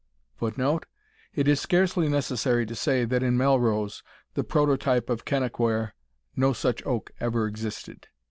[Footnote: It is scarcely necessary to say, that in Melrose, the prototype of Kennaquhair, no such oak ever existed.